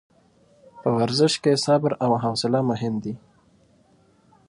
په ورزش کې صبر او حوصله مهم دي.